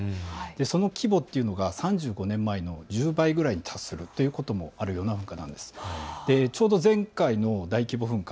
その規模というのが３５年前の１０倍ぐらいに達するということもあるそうなんです。